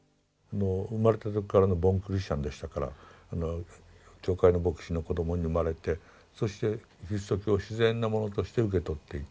もう生まれた時からのボーンクリスチャンでしたから教会の牧師の子どもに生まれてそしてキリスト教を自然なものとして受け取っていた。